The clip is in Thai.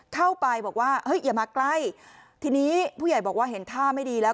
เข้าไปบอกว่าเฮ้ยอย่ามาใกล้ทีนี้ผู้ใหญ่บอกว่าเห็นท่าไม่ดีแล้ว